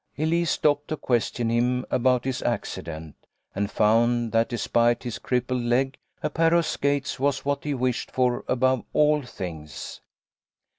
Elise stopped to question him about his acci dent, and found that despite his crippled leg a pair of skates was what he wished for above all things.